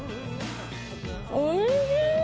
おいしーい！